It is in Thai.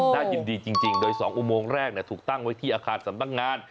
น่ายินดีจริงโดย๒อุโมงแรกถูกตั้งไว้ที่อาคารสำนักงาน